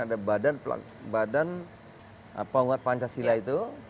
ada badan penguat pancasila itu